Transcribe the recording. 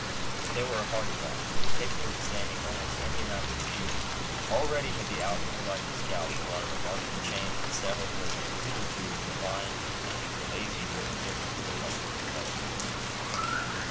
But they were a hearty lot, and capable of standing almost any amount of fatigue. Already had the outdoor life of scouts wrought a remarkable change in several who had been hitherto inclined to be either lazy, or indifferent to their muscular development.